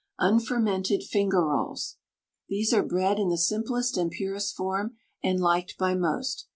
UNFERMENTED FINGER ROLLS. These are bread in the simplest and purest form, and liked by most.